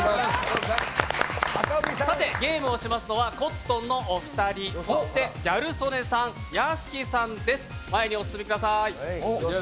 さてゲームをしますのはコットンのお二人そしてギャル曽根さん、屋敷さんです。